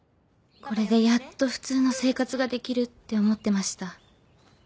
これでやっと普通の生活ができるって思ってました。